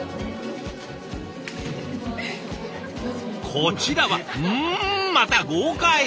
こちらはんまた豪快！